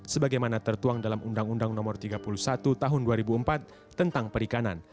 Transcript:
sebagaimana tertuang dalam undang undang no tiga puluh satu tahun dua ribu empat tentang perikanan